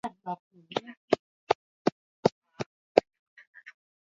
katika wadhifa wake wa Urais Baada ya kuongoza nchi kama rais kwa awamu moja